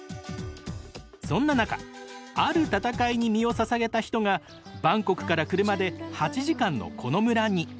そんな中ある戦いに身をささげた人がバンコクから車で８時間のこの村に。